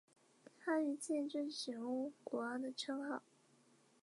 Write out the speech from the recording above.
他于次年正式使用国王的称号。